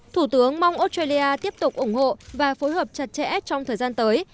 thủ tướng mong australia tiếp tục ủng hộ và phối hợp chặt chẽ trong thời gian tới